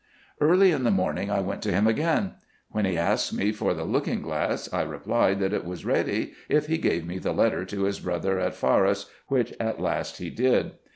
Early in the morning I went to him again. When he asked me for the looking glass, I replied, that it was ready, if he gave me the letter to his brother at Farras, which at last he did.